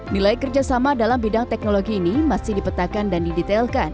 nilai kerjasama dalam bidang teknologi ini masih dipetakan dan didetailkan